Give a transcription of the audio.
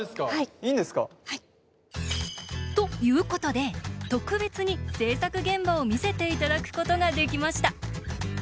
いいんですか？ということで特別に制作現場を見せて頂くことができました。